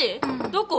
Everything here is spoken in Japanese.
どこ？